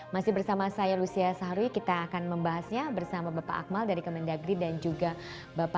masih bersama saya lucia saharwi kita akan membahasnya bersama bapak akmal dari kemendagri dan juga bapak